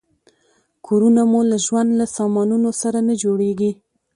کورونه مو له ژوند له سامانونو سره نه جوړیږي.